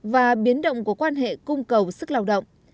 và biến động của quan hệ cung cầu sức lao động